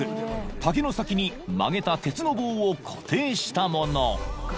［竹の先に曲げた鉄の棒を固定したもの］